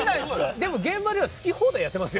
でも現場では好き放題やっていますよ。